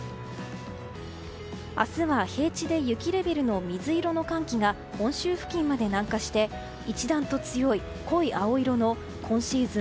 明日は平地で雪レベルの水色の寒気が本州付近まで南下して一段強い濃い青色の今シーズン